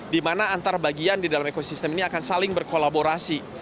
di mana antar bagian di dalam ekosistem ini akan saling berkolaborasi